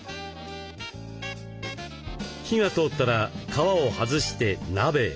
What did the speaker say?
火が通ったら皮をはずして鍋へ。